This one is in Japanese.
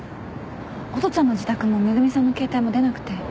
音ちゃんの自宅も恵美さんの携帯も出なくて。